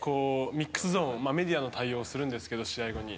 ミックスゾーンでメディアの対応とかするんですけど、試合後に。